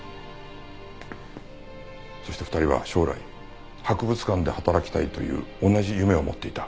そして２人は将来博物館で働きたいという同じ夢を持っていた。